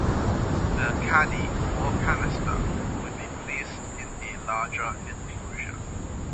The caddy or canister would be placed in a larger enclosure.